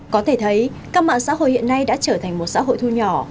có thể thấy các mạng xã hội hiện nay đã trở thành một xã hội thu nhỏ